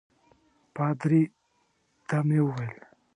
پادري ته مې وویل.